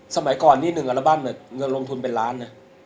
สมัยก่อนนี่๑อัลบั้มเงินลงทุนเป็นล้านนะ